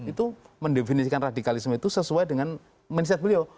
itu mendefinisikan radikalisme itu sesuai dengan mindset beliau